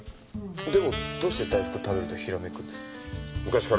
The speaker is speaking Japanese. でもどうして大福食べるとひらめくんですか？